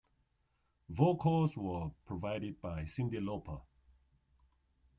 Vocals were provided by Cyndi Lauper.